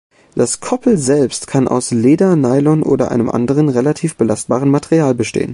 Das Koppel selbst kann aus Leder, Nylon oder einem anderen, relativ belastbaren Material bestehen.